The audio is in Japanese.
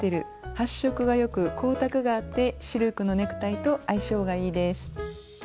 発色がよく光沢があってシルクのネクタイと相性がいいです。